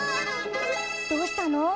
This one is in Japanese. どうしたの？